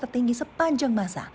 tertinggi sepanjang masa